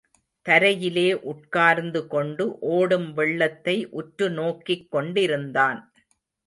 தரையிலே உட்கார்ந்து கொண்டு ஓடும் வெள்ளத்தை உற்று நோக்கிக் கொண்டிருந்தான்.